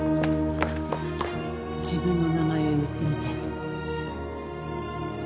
自分の名前を言ってみて。